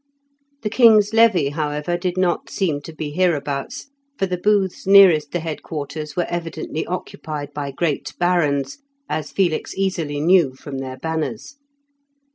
The king's levy, however, did not seem to be hereabouts, for the booths nearest the head quarters were evidently occupied by great barons, as Felix easily knew from their banners.